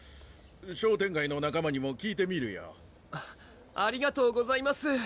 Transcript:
商店街の仲間にも聞いてみるよあっありがとうございます